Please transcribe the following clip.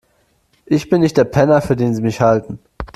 Ich bin nicht der Penner, für den Sie mich halten.